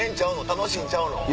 楽しいんちゃうの？